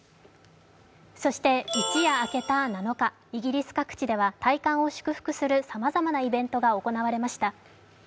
そして一夜明けた７日、イギリス各地では戴冠を祝福するさまざまなイベントが行われました。